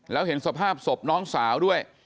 แล้วเห็นสภาพศพน้องสาวด้วย